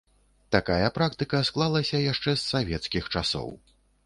Такая практыка склалася яшчэ з савецкіх часоў.